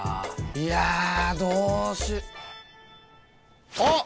いやどうしよ。